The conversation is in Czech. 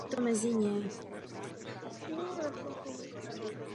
Stupeň nasycení železem se liší.